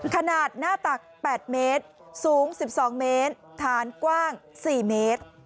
ขนาดหน้าตัก๘เมตรสูง๑๒เมตรฐานกว้าง๔เมตร